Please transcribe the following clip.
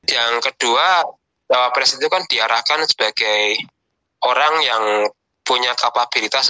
yang kedua pres itu kan diarahkan sebagai orang yang punya kapabilitas